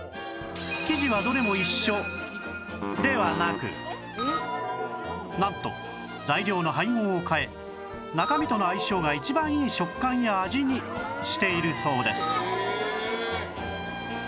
生地はどれも一緒ではなくなんと材料の配合を変え中身との相性が一番いい食感や味にしているそうです